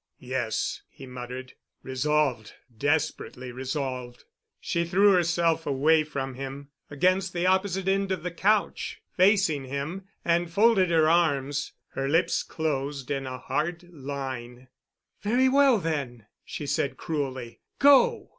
"Yes," he muttered, "resolved—desperately resolved." She threw herself away from him against the opposite end of the couch, facing him, and folded her arms, her lips closed in a hard line. "Very well, then," she said cruelly, "go!"